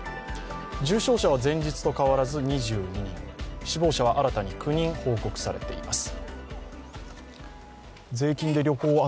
重症者は前日と変わらず２２人、死亡者は新たに９人報告されています。